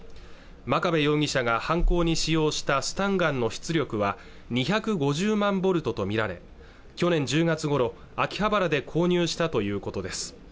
真壁容疑者が犯行に使用したスタンガンの出力は２５０万ボルトと見られ去年１０月ごろ秋葉原で購入したということです